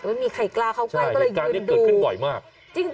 แต่ไม่มีใครกล้าเข้าไปก็เลยยืนดู